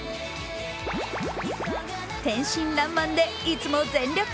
天真らんまんでいつも全力。